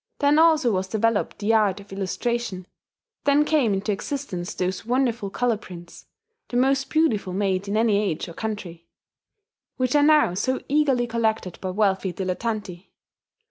Then also was developed the art of illustration; then came into existence those wonderful colour prints (the most beautiful made in any age or country) which are now so eagerly collected by wealthy dilettanti.